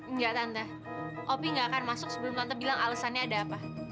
nggak tante opi nggak akan masuk sebelum tante bilang alesannya ada apa